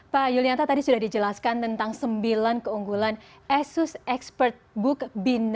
pak yulianto tadi sudah dijelaskan tentang sembilan keunggulan asus expert book b sembilan